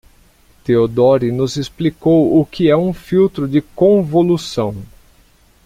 Theodore nos explicou o que é um filtro de convolução.